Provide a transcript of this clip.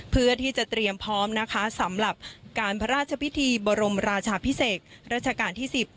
เพื่อที่จะเตรียมพร้อมนะคะสำหรับการพระราชพิธีบรมราชาพิเศษรัชกาลที่๑๐